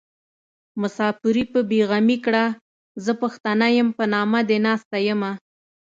مساپري په بې غمي کړه زه پښتنه يم په نامه دې ناسته يمه